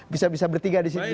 bisa bisa bertiga disini